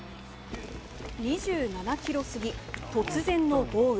２７キロ過ぎ、突然の豪雨。